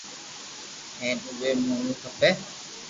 ھين اووي مونوي کپي